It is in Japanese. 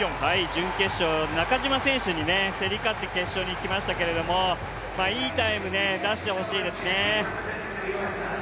準決勝、中島選手に競り勝って決勝にいきましたけどいいタイム出してほしいですね。